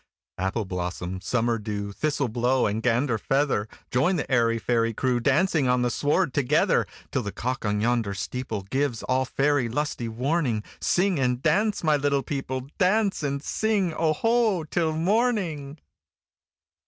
Appleblossom, Summerdew, Thistleblow, and Ganderfeather! Join the airy fairy crewDancing on the sward together! Till the cock on yonder steepleGives all faery lusty warning, Sing and dance, my little people,—Dance and sing "Oho" till morning!